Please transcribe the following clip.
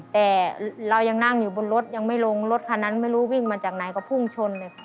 แต่เรายังนั่งอยู่บนรถยังไม่ลงรถคันนั้นไม่รู้วิ่งมาจากไหนก็พุ่งชนเลยค่ะ